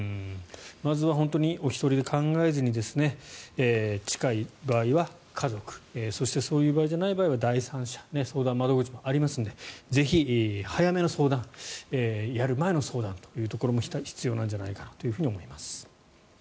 まずはお一人で考えずに近い場合は家族そしてそういう場合じゃない時は第三者相談窓口もありますのでぜひ早めの相談やる前の相談というところも必要なんじゃないかなと思います。